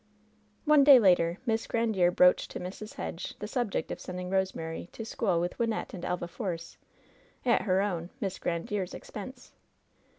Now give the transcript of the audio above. One day later Miss Grandiere broached to Mrs. Hedge the subject of sending Rosemary to school with Wyn nette and Elva Force, at her own — Miss Grandiere's — expense.